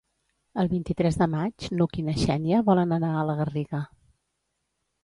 El vint-i-tres de maig n'Hug i na Xènia volen anar a la Garriga.